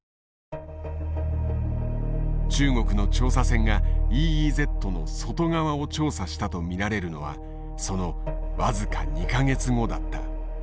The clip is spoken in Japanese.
中国の調査船がＥＥＺの外側を調査したと見られるのはその僅か２か月後だった。